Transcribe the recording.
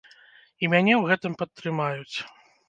І мяне ў гэтым падтрымаюць.